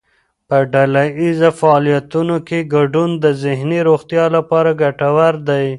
په ډلهییز فعالیتونو کې ګډون د ذهني روغتیا لپاره ګټور دی.